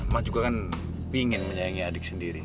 mas juga kan ingin menyayangi adik sendiri